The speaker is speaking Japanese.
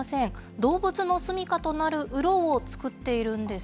動物の住みかとなる、うろを作っているんです。